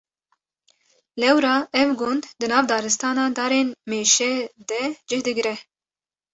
Lewra ev gund di nav daristana darên mêşe de cih digire.